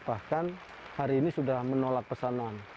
bahkan hari ini sudah menolak pesanan